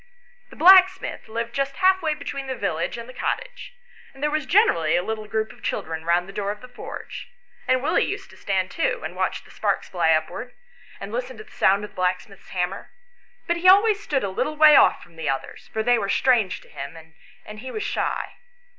The blacksmith lived just half way between the village and the cottage, and there was generally a little group of children round the door of the forge ; and Willie used to stand too, and watch the sparks fly upwards, and listen to the sound of the blacksmith's hammer; but he always stood a little way off from the others, for they were strange to him, and he was shy.